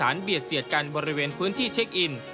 เบียดเสียดกันบริเวณพื้นที่เช็คอิน